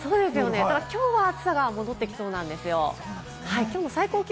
きょうは暑さが戻ってきそうなんですよ。